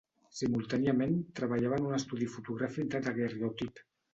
Simultàniament, treballava en un estudi fotogràfic de daguerreotip.